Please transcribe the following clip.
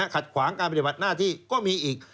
ขัดขวางการปฏิบัติหน้าที่ก็มีอีก